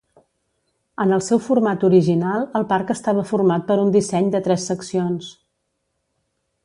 En el seu format original, el parc estava format per un disseny de tres seccions.